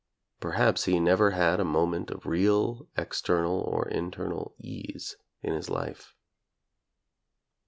Per haps he never had a moment of real external or internal ease in his life.